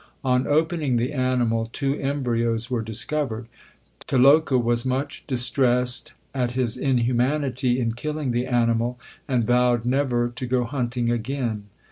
On opening the animal two embryos were discovered. Tiloka was much distressed at his inhumanity in killing the animal, and vowed never to go hunting again.